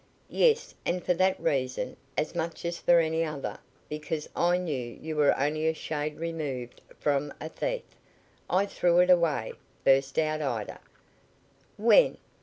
"Yes, and for that reason, as much as for any other because I knew you were only a shade removed from a thief I threw it away!" burst out Ida. "When?"